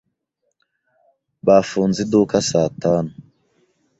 Bafunze iduka saa tanu.